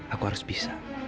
aku harus bisa